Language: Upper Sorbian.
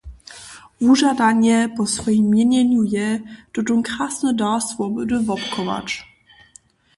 Wužadanje po swojim měnjenju je, tutón krasny dar swobody wobchować.